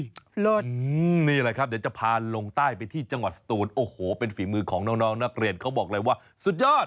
นี่แหละครับเดี๋ยวจะพาลงใต้ไปที่จังหวัดสตูนโอ้โหเป็นฝีมือของน้องนักเรียนเขาบอกเลยว่าสุดยอด